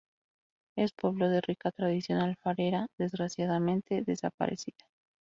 Es pueblo de rica tradición alfarera, desgraciadamente desaparecida.